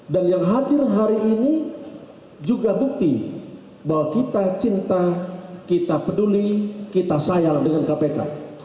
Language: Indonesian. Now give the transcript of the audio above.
dan yang hadir hari ini juga bukti bahwa kita cinta kita peduli kita sayang dengan kpk